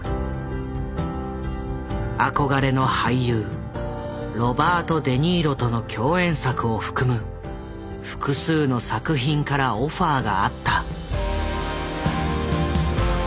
憧れの俳優ロバート・デ・ニーロとの共演作を含む複数の作品からオファーがあった。